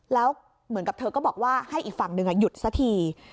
แล้วเหมือนกับเธอก็บอกว่าให้อีกฝั่งหนึ่งหยุดสักที